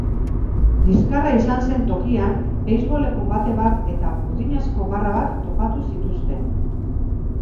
Liskarra izan zen tokian beisboleko bate bat eta burdinazko barra bat topatu zituzten.